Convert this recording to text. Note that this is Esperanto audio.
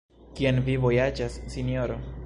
Kien vi vojaĝas, Sinjoro?